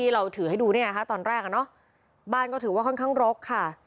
เราถือให้ดูเนี่ยนะคะตอนแรกอ่ะเนอะบ้านก็ถือว่าค่อนข้างรกค่ะ